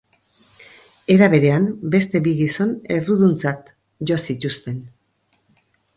Era berean, beste bi gizon erruduntzat jo zituzten.